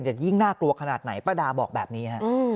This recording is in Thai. จะยิ่งน่ากลัวขนาดไหนป้าดาบอกแบบนี้ฮะ